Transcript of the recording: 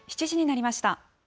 ７時になりました。